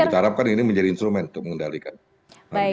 dan diharapkan ini menjadi instrumen untuk mengendalikan harga itu